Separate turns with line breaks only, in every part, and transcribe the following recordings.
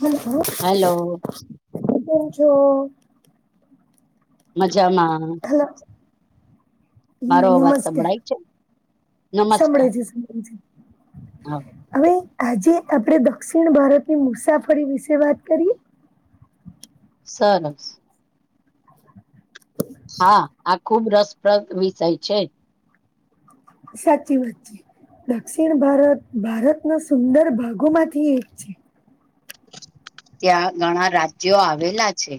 Hello
hello
તમે કેમ છો?
મજામાં,
હલો
મારો અવાજ
નમસ્કાર
સંભળાય છે. નમસ્કાર
સંભળાય છે સંભળાય છે
હા
હવે આજે આપડે દક્ષિણ ભારતની મુસાફરી વિશે વાત કરીએ.
સરસ. હા આ ખુબ રસપ્રદ વિષય છે.
સાચી વાત છે. દક્ષિણ ભારત ભારતના સુંદર ભાગોમાંથી એક છે.
ત્યાં ઘણા રાજ્યો આવેલા છે.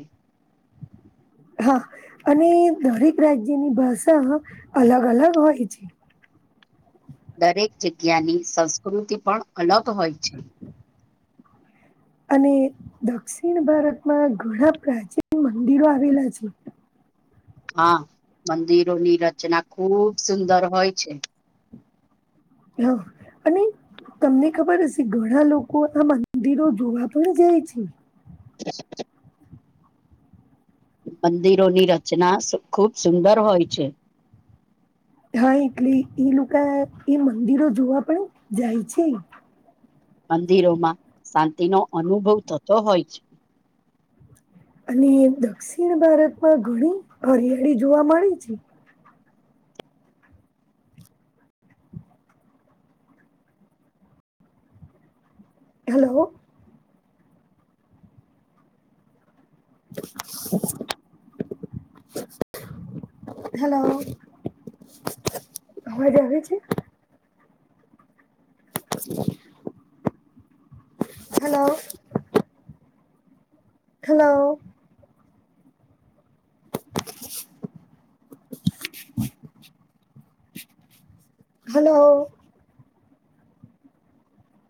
હા અને દરેક રાજ્યની ભાષા અલગ અલગ હોય છે.
દરેક જગ્યાની સંસ્કૃતિ પણ અલગ હોય છે.
અને દક્ષિણ ભારતમાં ઘણા પ્રાચીન મંદિરો આવેલા છે. [inaudible]
હા મંદિરોની રચના ખુબ સુંદર હોય છે.
હા અને તમને ખબર હશે ઘણા લોકો આ મંદિરો જોવા પણ જાય છે.
[inaudible] મંદિરોની રચના સુ ખૂબ સુંદર હોય છે.
હા એટલે એ લોકો એ મંદિરો જોવા પણ જાય છે.
મંદિરોમાં શાંતિનો અનુભવ થતો હોય છે.
અને દક્ષિણ ભારતમાં ઘણી હરિયાળી જોવા મળે છે. હેલો. [inaudible] હેલો. અવાજ આવે છે. હેલો. હેલો. હેલો.